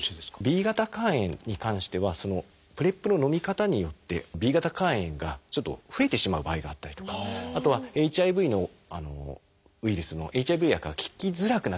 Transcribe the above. Ｂ型肝炎に関してはＰｒＥＰののみ方によってＢ型肝炎がちょっと増えてしまう場合があったりとかあとはＨＩＶのウイルスのＨＩＶ薬が効きづらくなってしまう。